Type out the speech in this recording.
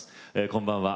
こんばんは。